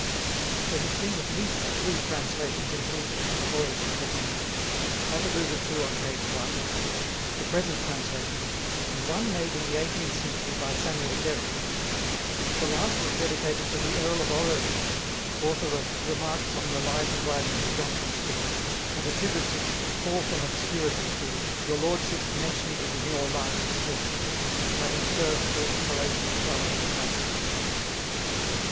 There have been at least three translations into English of the Voyage to the Moon: that alluded to on page 1; the present translation; and one made in the eighteenth century by Samuel Derrick. The last is dedicated to the Earl of Orrery, author of "Remarks on the Life and Writings of Jonathan Swift," and attributes its "call from obscurity" to "your Lordship's mentioning it in your Life of Swift" as having served for inspiration to Gulliver's Travels.